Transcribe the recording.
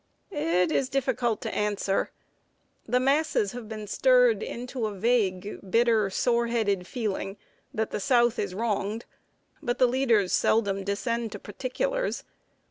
"It is difficult to answer. The masses have been stirred into a vague, bitter, 'soreheaded' feeling that the South is wronged; but the leaders seldom descend to particulars.